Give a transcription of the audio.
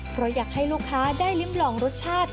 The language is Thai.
เพราะอยากให้ลูกค้าได้ลิ้มลองรสชาติ